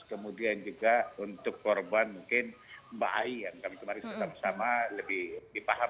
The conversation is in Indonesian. kemudian juga untuk korban mungkin mbak ahi yang kami teman teman bersama lebih paham